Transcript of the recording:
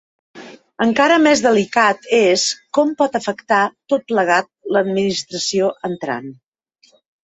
Encara més delicat és com pot afectar tot plegat l’administració entrant.